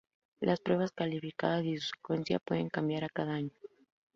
Las pruebas calificadas y su secuencia pueden cambiar a cada año.